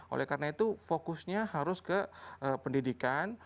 oleh karena itu fokusnya harus ke pendidikan